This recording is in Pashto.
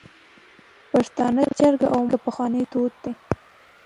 پښتانه جرګی او مرکی پخواني دود ده